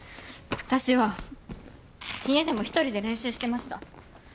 私は家でも一人で練習してました。